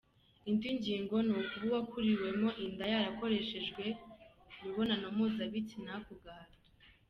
Indi ngingo ni ukuba uwakuriwemo inda yarakoreshejwe imibonano mpuzabitsina ku gahato.